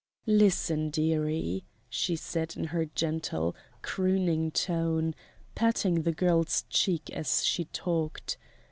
"Listen, dearie," she said in her gentle, crooning tone, patting the girl's cheek as she talked.